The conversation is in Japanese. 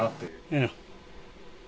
うん。